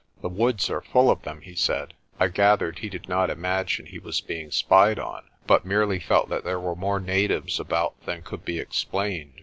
"The woods are full of them," he said. I gathered he did not imagine he was being spied on, but merely felt that there were more natives about than could be explained.